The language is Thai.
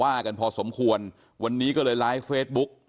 ว่ากันพอสมควรวันนี้ก็เลยไลฟ์เฟซบุ๊ก